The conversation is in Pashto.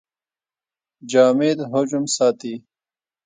جامد حجم ساتي.